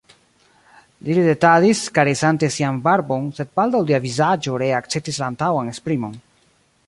Li ridetadis, karesante sian barbon, sed baldaŭ lia vizaĝo ree akceptis la antaŭan esprimon.